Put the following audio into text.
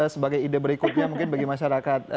sebagai ide berikutnya mungkin bagi masyarakat